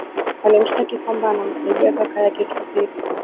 walimshtaki kwamba anamsaidia kaka yake kisiri